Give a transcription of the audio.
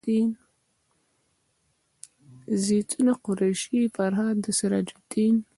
زیتونه قریشي فرهاد سراج الدین